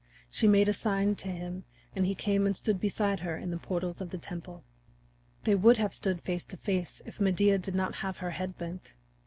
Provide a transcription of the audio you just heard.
She made a sign to him, and he came and stood beside her in the portals of the temple. They would have stood face to face if Medea did not have her head bent.